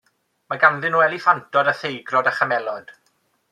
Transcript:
Mae ganddyn nhw eliffantod a theigrod a chamelod.